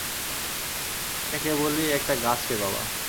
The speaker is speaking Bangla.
এটা কেবলই একটা গাছ রে বাবা।